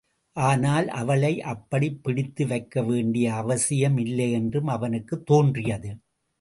ஆனால், அவளை அப்படிப் பிடித்து வைக்க வேண்டிய அவசியம் இல்லையென்றும் அவனுக்குத் தோன்றியது.